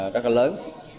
rất là lớn